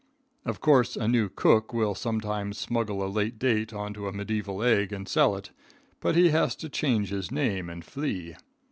"Of course a new cook will sometimes smuggle a late date onto a mediaeval egg and sell it, but he has to change his name and flee.